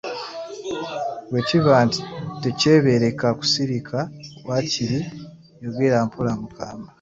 "Bwe kiba nti tekyebeereka kusirika, waakiri yogera mpola mu kaama."